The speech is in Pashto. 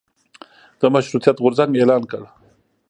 د مشروطیت غورځنګ اعلان کړ.